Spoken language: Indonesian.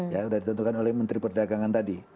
ya sudah ditentukan oleh menteri perdagangan tadi